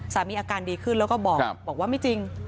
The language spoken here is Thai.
อาการดีขึ้นแล้วก็บอกว่าไม่จริง